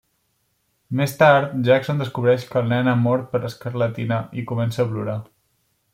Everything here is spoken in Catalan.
Més tard, Jackson descobreix que el nen ha mort per escarlatina i comença a plorar.